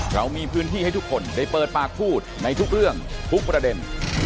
เรามีพื้นที่ให้ทุกคนได้เปิดปากพูดในทุกเรื่องทุกประเด็น